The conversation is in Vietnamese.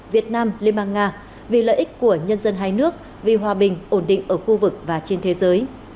việt nam liên bang nga vì lợi ích của nhân dân hai nước vì hòa bình ổn định ở khu vực và trên thế giới